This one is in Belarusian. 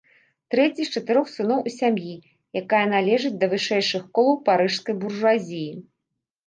Трэці з чатырох сыноў у сям'і, якая належыць да вышэйшых колаў парыжскай буржуазіі.